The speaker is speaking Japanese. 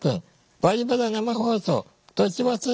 「バリバラ」生放送年忘れ